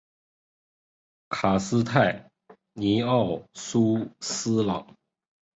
卡斯泰尼奥苏斯朗。